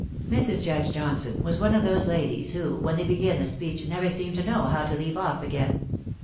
Mrs. Judge Johnson was one of those ladies who, when they begin a speech, never seem to know how to leave off again.